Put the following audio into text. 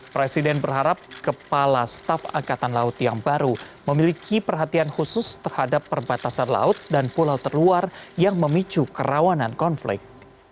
presiden berharap kepala staf angkatan laut yang baru memiliki perhatian khusus terhadap perbatasan laut dan pulau terluar yang memicu kerawanan konflik